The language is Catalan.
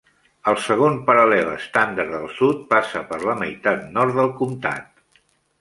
El segon paral·lel estàndard del sud passa per la meitat nord del comtat.